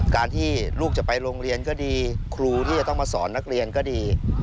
การที่ลูกจะไปโรงเรียนก็ดีครูที่จะต้องมาสอนนักเรียนก็ดี